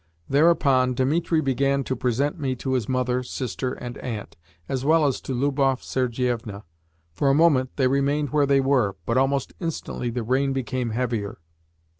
Thereupon, Dimitri began to present me to his mother, sister, and aunt, as well as to Lubov Sergievna. For a moment they remained where they were, but almost instantly the rain became heavier.